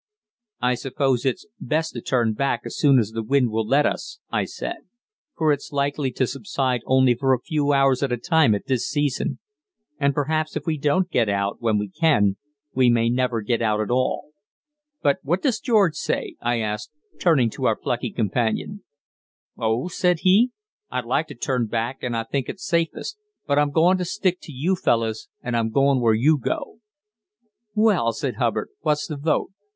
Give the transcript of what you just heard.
"I suppose it's best to turn back as soon as the wind will let us," I said; "for it's likely to subside only for a few hours at a time at this season, and perhaps if we don't get out when we can, we may never get out at all. But what does George say?" I asked, turning to our plucky companion. "Oh," said he, "I'd like to turn back, and I think it's safest; but I'm goin' to stick to you fellus, and I'm goin' where you go." "Well," said Hubbard, "what's the vote?